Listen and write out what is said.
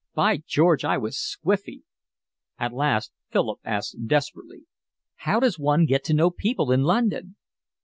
By George, I was squiffy." At last Philip asked desperately: "How does one get to know people in London?"